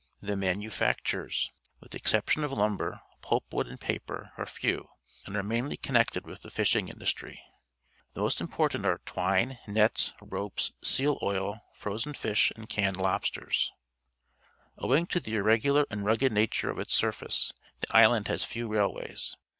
The manufactures, with the exception of An Iceberg, ofi the Coast of Newfoundland lumber , pulp wo od, and pai:)er,are few, and are mainly connected with the fishing industry. The most important are twine, nets, ropes, seal itil, frozen fish, and canncil I(i1> 1(m s. Owing to the irregular antl rugged nature of its surface, the island has few railways.